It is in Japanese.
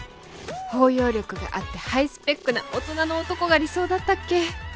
包容力があってハイスペックな大人の男が理想だったっけ？